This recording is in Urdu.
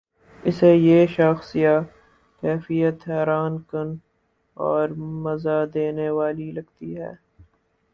اسے یہ شخص یا کیفیت حیران کن اور مزا دینے والی لگتی ہے